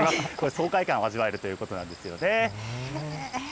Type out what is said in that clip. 爽快感を味わえるということなんですよね。